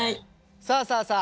さあさあさあ